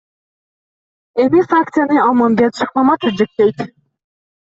Эми фракцияны Алмамбет Шыкмаматов жетектейт.